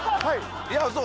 いやそう！